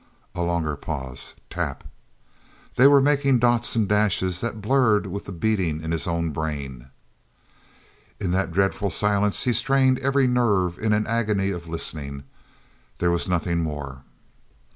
A longer pause.... Tap. They were making dots and dashes that blurred with the beating in his own brain. In that dreadful silence he strained every nerve in an agony of listening. There was nothing more.